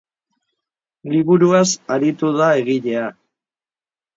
Liburuaz aritu da egilea.